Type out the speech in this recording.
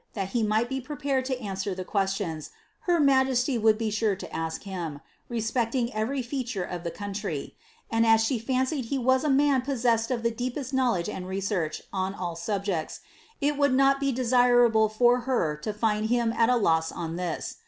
that he might be prepared to answer the qucKlions, her majesty wonlii be sure to ask him, lespecting every feature of the country; and as she fBiieied he was a man poster. '''' deepest knowledge and research on all subjects, it woidd not le for her to find him al a Imi on this.